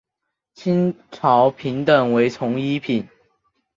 清朝品等为从一品。